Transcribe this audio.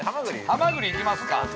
◆ハマグリいきますか。